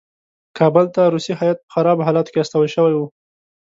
کابل ته روسي هیات په خرابو حالاتو کې استول شوی وو.